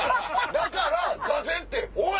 だから坐禅っておい！